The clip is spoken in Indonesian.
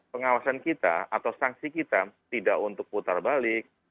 pengawasan kita atau sanksi kita tidak untuk putar balik